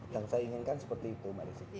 yang saya inginkan seperti itu mbak desiki